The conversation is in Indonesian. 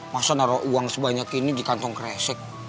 masa naruh uang sebanyak ini di kantong kresek